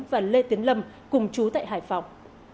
và lê tiến lâm cùng chú tại hải phòng